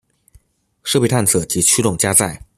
设备探测及驱动加载